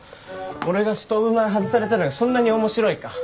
俺がストーブ前外されたのがそんなに面白いか？